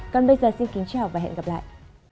xin chào các bạn và hẹn gặp lại